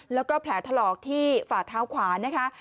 แล้วก็แผลถลอกที่ฝ่าเท้าขวานะคะ